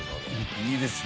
いいですね。